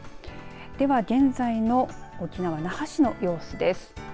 では現在の沖縄那覇市の様子です。